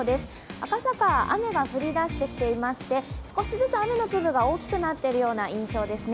赤坂、雨が降りだしてきていまして少しずつ雨の粒が大きくなっているような印象ですね。